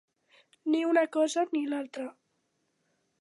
Ni una cosa ni l'altra.